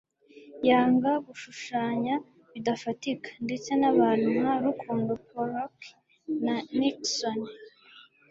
Yanga gushushanya bidafatika - ndetse n'abantu nka Rukundo Pollock na Nicholson